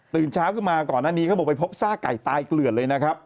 เช้าขึ้นมาก่อนหน้านี้เขาบอกไปพบซากไก่ตายเกลือดเลยนะครับ